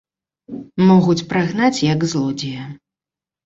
Могуць прагнаць як злодзея.